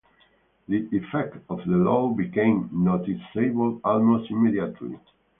The effect of the law became noticeable almost immediately.